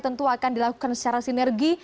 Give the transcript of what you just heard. tentu akan dilakukan secara sinergi